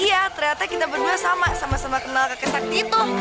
iya ternyata kita berdua sama sama sama kenal kakek sakti itu